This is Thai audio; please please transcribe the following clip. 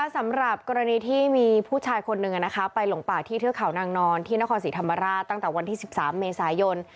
สำหรับกรณีที่มีผู้ชายคนหนึ่งไปหลงป่าที่เทือกเขานางนอนที่นครศรีธรรมราชตั้งแต่วันที่๑๓เมษายน